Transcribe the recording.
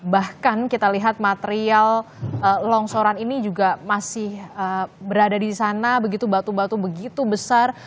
bahkan kita lihat material longsoran ini juga masih berada di sana begitu batu batu begitu besar